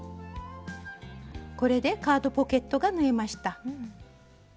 これでカードポケットが縫えました。